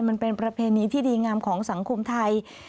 มันเป็นประเพณีที่ดีงามของสังคมไทย